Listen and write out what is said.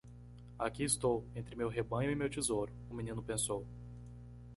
Aqui estou? entre meu rebanho e meu tesouro? o menino pensou.